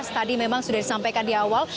tadi memang sudah disampaikan di awal